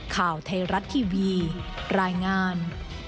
ข่าวไทยรัฐทีวีรายงาน